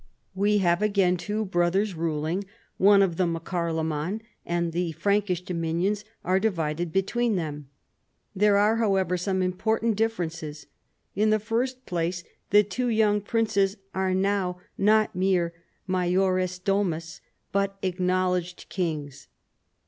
We have again two brothers ruling, one of them a Carloraan, and tlie Prankish dominions are divided between them. There are however some important differences. In the first place tlie two young princes are now not mere majores do?nus but acknowledged kings.